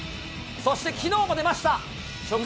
そして、きのうも出ました。